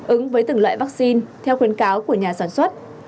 ứng với từng loại vaccine theo khuyến cáo của nhà sản xuất